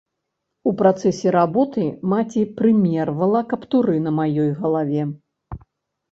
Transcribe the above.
У працэсе работы маці прымервала каптуры на маёй галаве.